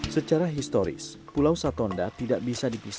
secara historis pulau satonda tidak bisa dipisahkan